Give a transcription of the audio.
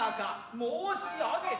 申し上げた。